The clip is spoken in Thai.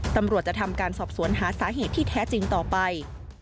ตำรวจจะทำการสอบสวนหาสาเหตุที่แท้จริงต่อไป